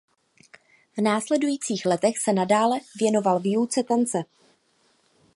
V následujících letech se nadále věnoval výuce tance.